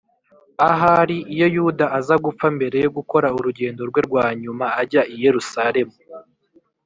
ahari iyo yuda aza gupfa mbere yo gukora urugendo rwe rwa nyuma ajya i yerusalemu,